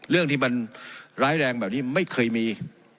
เรื่องที่มันร้ายแรงแบบนี้ไม่เคยมี